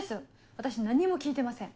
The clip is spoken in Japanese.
私何も聞いてません。